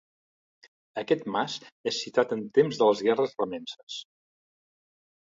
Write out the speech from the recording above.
Aquest mas és citat en temps de les guerres remences.